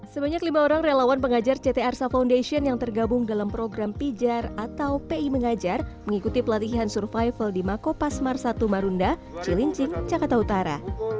sebanyak lima orang relawan pengajar ct arsa foundation yang tergabung dalam program pijar atau pi mengajar mengikuti pelatihan survival di makopasmar satu marunda cilincing jakarta utara